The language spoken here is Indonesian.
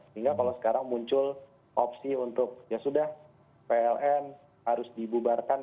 sehingga kalau sekarang muncul opsi untuk ya sudah pln harus dibubarkan